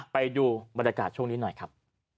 ไปดูบรรยากาศช่วงนี้หน่อยครับ